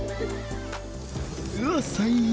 うわっ、最悪！